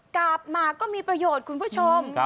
กลับมาก็มีประโยชน์คุณผู้ชม